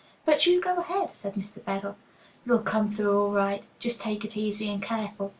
"But you go ahead," said Mr. Bedell; "you'll come through all right. Just take it easy and be careful."